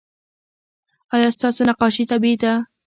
ایا ستاسو نقاشي طبیعي ده؟